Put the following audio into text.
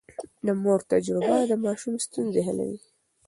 د مور تجربه د ماشوم ستونزې حلوي.